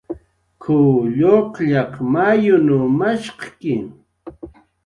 "K""uw lluqllaq mayunw mashqki"